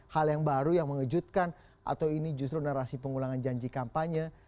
hal yang baru yang mengejutkan atau ini justru narasi pengulangan janji kampanye